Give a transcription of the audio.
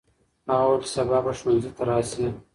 هغه وویل چې سبا به ښوونځي ته راسي.